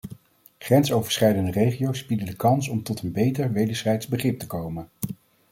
Grensoverschrijdende regio's bieden de kans om tot een beter wederzijds begrip te komen.